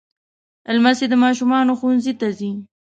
لمسی د ماشومانو ښوونځي ته ځي.